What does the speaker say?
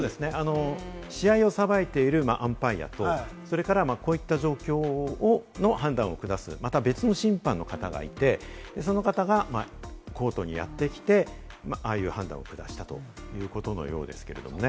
試合を裁いているアンパイアと、それからこういった状況の判断を下す、また、別の審判の方がいて、その方がコートにやってきて、ああいう判断を下したということのようですけれどもね。